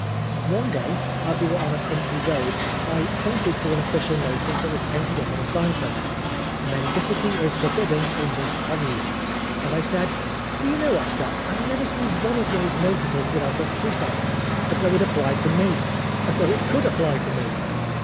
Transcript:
One day, as we were on a country road, I pointed to an official notice that was painted up on a sign post, " Mendicity is forbidden in this Commune," and I said, " Do you know, Oscar, I never see one of those notices without a frisson, as though it applied to 234 Oscar Wilde me as though it could apply to me."